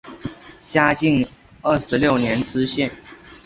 嘉靖二十六年知县。